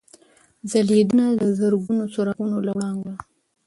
ځلېدنه د زرګونو څراغونو له وړانګو ده.